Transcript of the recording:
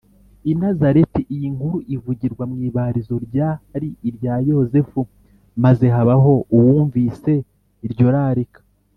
I Nazareti iyi nkuru ivugirwa mw’ibarizo ryari irya Yozefu, maze habaho Uwumvise iryo rarika.